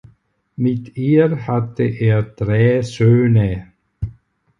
Mit ihr hatte er drei Söhne.